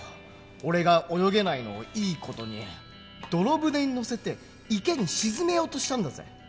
俺が泳げないのをいい事に泥舟に乗せて池に沈めようとしたんだぜ。